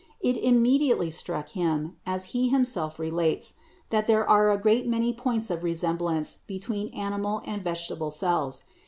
It immediately struck him, as he himself relates, that there are a great many points of resemblance between animal and vegetable cells.